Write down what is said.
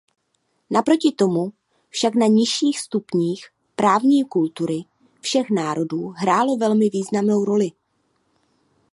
Naproti tomu však na nižších stupních právní kultury všech národů hrálo velmi významnou roli.